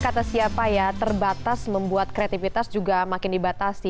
kata siapa ya terbatas membuat kreativitas juga makin dibatasi